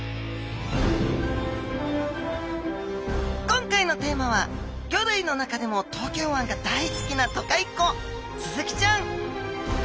今回のテーマは魚類の中でも東京湾が大好きな都会っ子スズキちゃん